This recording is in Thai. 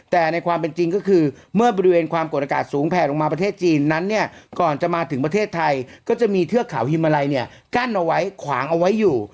แต่ในความเป็นจริงก็คือเมื่อบริเวณความกดอากาศสูงแผลลงมาประเทศจีนนั้นเนี่ยก่อนจะมาถึงประเทศไทยก็จะมีเทือกเขาฮิมมาลัยเนี่ยกั้นเอาไว้ขวางเอาไว้อยู่